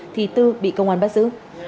thì tư bị công an bắt giữ